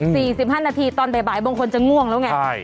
๔๕นาทีตอนบ่ายบางคนจะง่วงแล้วไง